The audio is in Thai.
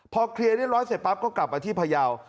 พอเคลียร์เรียบร้อยเสร็จปั๊บก็กลับมาที่พยาว